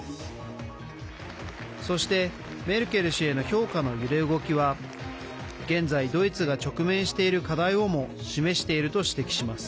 そして、メルケル氏への評価の揺れ動きは現在、ドイツが直面している課題をも示していると指摘します。